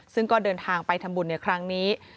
ซึ่งก็เดินทางไปทำบุญในครั้งนี้